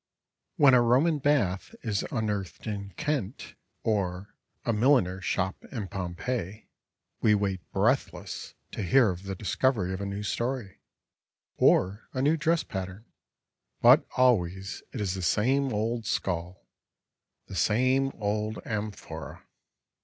When a Roman bath is unearthed in Kent or a milliner's shop in Pompeii we wait breathless to hear of the discovery of a new story, or a new dress pattern, but always it is the same old skull, the same old amphora.